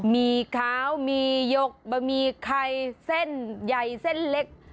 มีขาวมียกบะหมี่ไข่เส้นใหญ่เส้นเล็ก